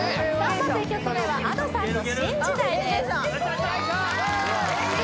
まず１曲目はＡｄｏさんの「新時代」ですあっＭａｙＪ．さん